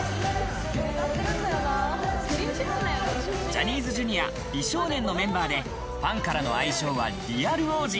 ジャニーズＪｒ．美少年のメンバーでファンからの愛称はリアル王子。